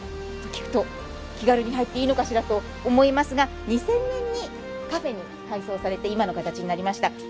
そう聞くと気軽に入っていいのかしらと思いますが２０００年にカフェに改装されて今の形になりました。